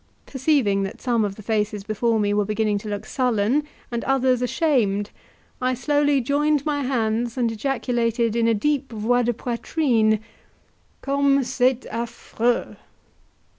Perceiving that some of the faces before me were beginning to look sullen, and others ashamed, I slowly joined my hands, and ejaculated in a deep "voix de poitrine" "Comme c'est affreux!"